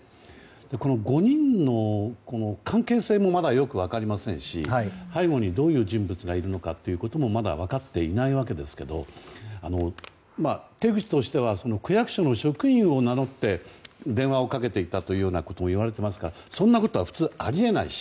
この５人の関係性もまだよく分かりませんし背後にどういう人物がいるのかもまだ分かっていないわけですけど手口としては区役所の職員を名乗って電話をかけていた、というようなこともいわれていますがそんなことは普通あり得ないし